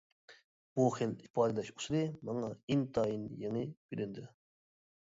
بۇ خىل ئىپادىلەش ئۇسۇلى ماڭا ئىنتايىن يېڭى بىلىندى.